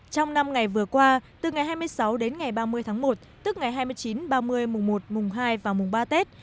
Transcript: trong năm ngày vừa qua từ ngày hai mươi sáu đến ngày ba mươi tháng một tức ngày hai mươi chín ba mươi mùng một mùng hai và mùng ba tết